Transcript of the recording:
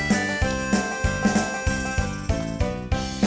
แล้วใส่พี่ใส่ไม่มาเอาใจ